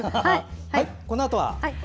このあとは？